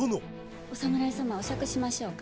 お侍様お酌しましょうか。